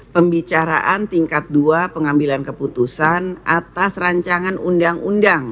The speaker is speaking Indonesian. pembicaraan tingkat dua pengambilan keputusan atas rancangan undang undang